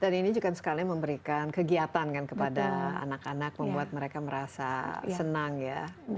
dan ini juga sekali memberikan kegiatan kan kepada anak anak membuat mereka merasa senang ya